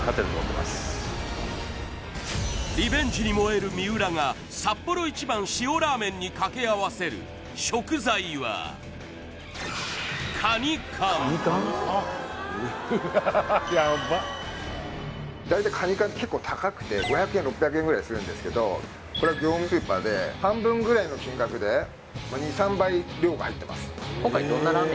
リベンジに燃える三浦がサッポロ一番塩らーめんに掛け合わせる食材はうわ大体カニ缶結構高くて５００円６００円ぐらいするんですけどこれは業務スーパーで半分ぐらいの金額でまあ２３倍量が入ってます